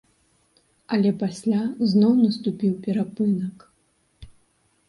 Але пасля зноў наступіў перапынак.